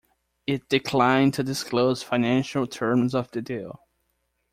It declined to disclose financial terms of the deal.